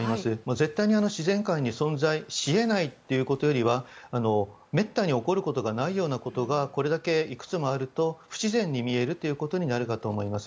絶対に自然界に存在し得ないということよりはめったに起こることがないようなことがこれだけいくつもあると不自然に見えるということになるかと思います。